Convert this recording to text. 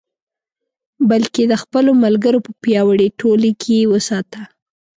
بلکې د خپلو ملګرو په پیاوړې ټولۍ کې یې وساته.